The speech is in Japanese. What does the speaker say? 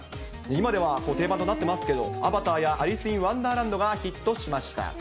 今では定番となっていますが、アバターやアリス・イン・ワンダーランドがヒットしました。